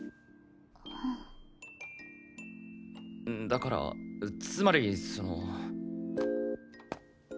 だからつまりその。